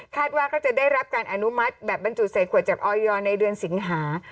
ว่าก็จะได้รับการอนุมัติแบบบรรจุใส่ขวดจากออยในเดือนสิงหา